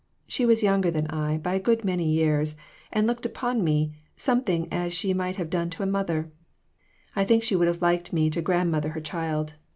She was younger than I by a good many years, and looked up to me, something as she might have done to a mother. I think she would have liked me to grandmother her child.